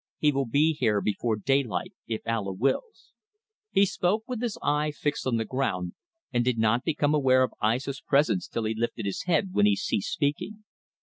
He will be here before daylight if Allah wills." He spoke with his eye fixed on the ground, and did not become aware of Aissa's presence till he lifted his head when he ceased speaking.